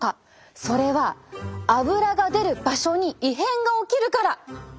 それはアブラが出る場所に異変が起きるから！